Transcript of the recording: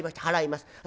払います。